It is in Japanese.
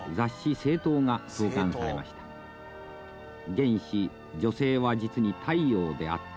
「元始女性は實に太陽であつた」。